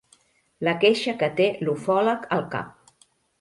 La queixa que té l'ufòleg al cap.